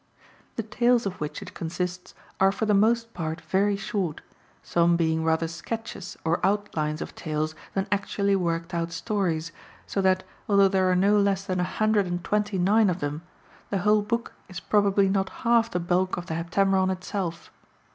The tales of which it consists are for the most part very short, some being rather sketches or outlines of tales than actually worked out stories, so that, although there are no less than a hundred and twenty nine of them, the whole book is probably not half the bulk of the Heptameron itself.